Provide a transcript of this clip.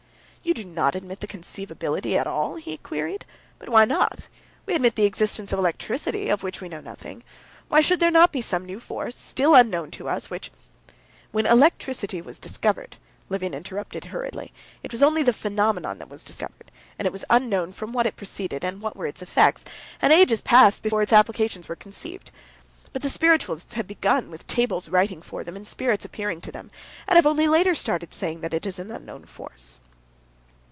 "You do not admit the conceivability at all?" he queried. "But why not? We admit the existence of electricity, of which we know nothing. Why should there not be some new force, still unknown to us, which...." "When electricity was discovered," Levin interrupted hurriedly, "it was only the phenomenon that was discovered, and it was unknown from what it proceeded and what were its effects, and ages passed before its applications were conceived. But the spiritualists have begun with tables writing for them, and spirits appearing to them, and have only later started saying that it is an unknown force."